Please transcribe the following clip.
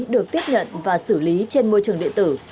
được tiếp nhận và xử lý trên môi trường điện tử